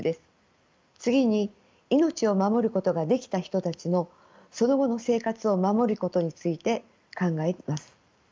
次に命を守ることができた人たちのその後の生活を守ることについて考えます。